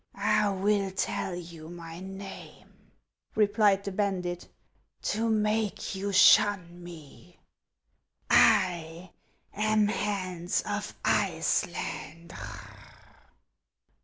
" I will tell you my name," replied the bandit, " to make you shun me. I am Hans of Iceland."